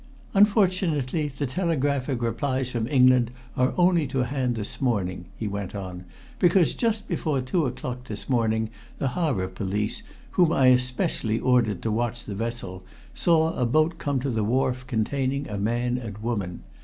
"Unfortunately the telegraphic replies from England are only to hand this morning," he went on, "because just before two o'clock this morning the harbor police, whom I specially ordered to watch the vessel, saw a boat come to the wharf containing a man and woman.